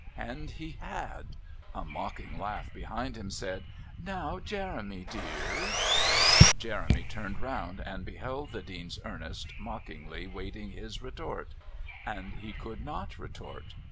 And he had! A mocking voice behind him said: "Now, Jeremy, dear " Jeremy turned round and beheld the Dean's Ernest mockingly waiting his retort. And he could not retort.